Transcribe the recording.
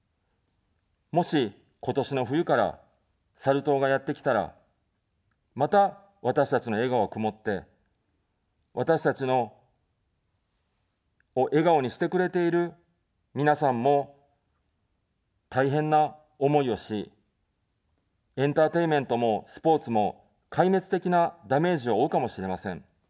もし、今年の冬からサル痘がやってきたら、また私たちの笑顔は曇って、私たちを笑顔にしてくれている皆さんも大変な思いをし、エンターテインメントもスポーツも壊滅的なダメージを負うかもしれません。